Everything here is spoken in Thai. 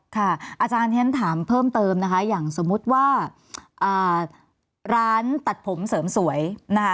อาจารย์ที่ฉันถามเพิ่มเติมนะคะอย่างสมมุติว่าร้านตัดผมเสริมสวยนะคะ